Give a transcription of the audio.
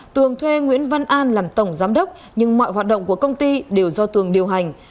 tường thuê nguyễn văn an làm tổng giám đốc nhưng mọi hoạt động của công ty đều do tường điều hành